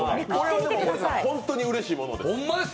ホントにうれしいものです。